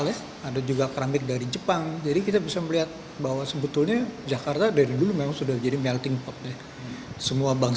ya ada juga keramik dari jepang jadi kita bisa melihat bahwa sebetulnya jakarta dari dulu memang